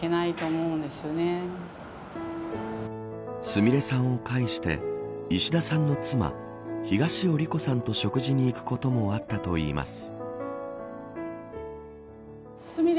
すみれさんを介して石田さんの妻、東尾理子さんと食事に行くこともあったといいます。